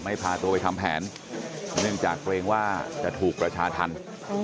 พาตัวไปทำแผนเนื่องจากเกรงว่าจะถูกประชาธรรม